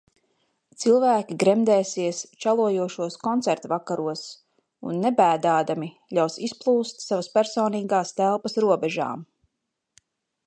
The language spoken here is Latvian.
Cilvēki gremdēsies čalojošos koncertvakaros un nebēdādami ļaus izplūst savas personīgās telpas robežām.